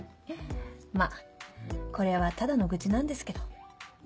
まぁこれはただの愚痴なんですけど。